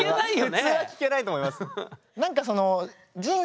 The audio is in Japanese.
普通は聞けないと思います。